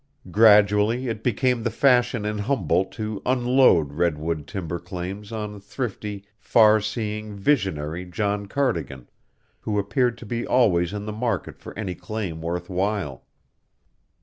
Gradually it became the fashion in Humboldt to "unload" redwood timber claims on thrifty, far seeing, visionary John Cardigan who appeared to be always in the market for any claim worth while.